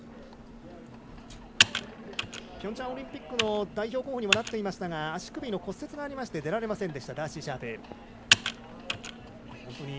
ピョンチャンオリンピックの代表候補にもなっていましたが足首の骨折がありまして出られませんでしたダーシー・シャープです。